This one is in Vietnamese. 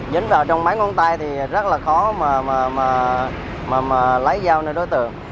dính vào trong mái ngón tay thì rất là khó mà lấy dao lên đối tượng